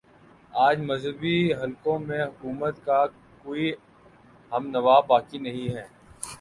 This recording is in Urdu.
آج مذہبی حلقوں میں حکومت کا کوئی ہم نوا باقی نہیں ہے